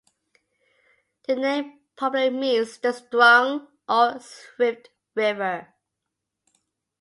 The name probably means "the strong or swift river".